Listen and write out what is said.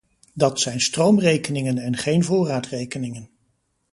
Dat zijn stroomrekeningen en geen voorraadrekeningen.